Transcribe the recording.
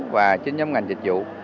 và chính nhóm ngành dịch vụ